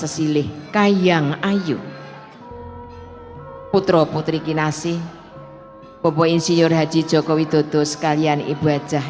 silih kayang ayu putra putri kinasi pupuk insinyur haji joko widodo sekalian ibu ajah